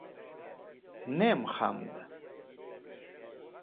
Nem Khamdẽ.